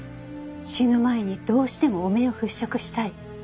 「死ぬ前にどうしても汚名を払拭したい」。